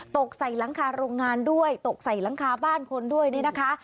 ตกใส่หลังคาโรงงานด้วยตกใส่หลังคาบ้านคนด้วยเนี่ยนะคะ